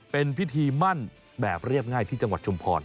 เป็นพิธีมั่นแบบเรียบง่ายที่จังหวัดชุมพร